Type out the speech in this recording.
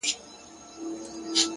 اخلاص د نیک عمل ارزښت لوړوي!